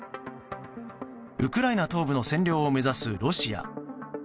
ウクライナ東部の占領を目指すロシア。